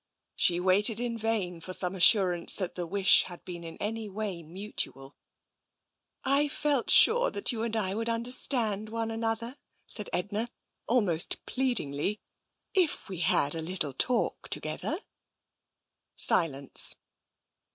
She waited in vain for some assurance that the wish had been in any way mutual. " I felt sure that you and I would understand one another," said Edna, almost pleadingly, "if we had a little talk together." Silence.